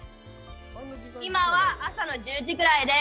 今は朝の１０時ぐらいです。